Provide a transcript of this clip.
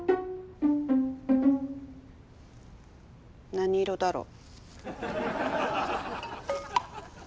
何色だろう？